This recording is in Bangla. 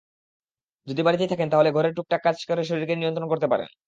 যদি বাড়িতেই থাকেন, তাহলে ঘরের টুকটাক কাজ করে শরীরকে নিয়ন্ত্রণ করতে পারেন।